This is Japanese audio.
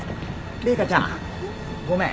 麗華ちゃんごめん。